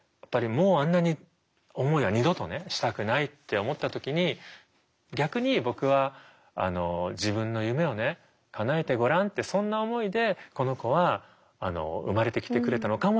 もうあんな思いは二度とねしたくないって思った時に逆に僕は自分の夢をねかなえてごらんってそんな思いでこの子は生まれてきてくれたのかもしれない。